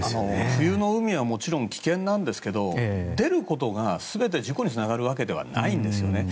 冬の海はもちろん危険なんですけど出ることが全て事故につながるわけではないんですね。